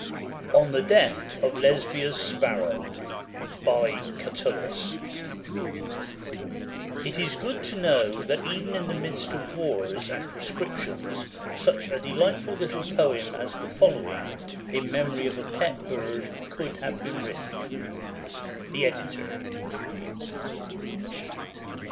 ON THE DEATH OF LESBIA'S SPARROW BY CATULLUS [It is good to know that even in the midst of wars and pro scriptions such a deHghtful Httle poem as the following, in memory of a pet bird, could have been written. The Editor.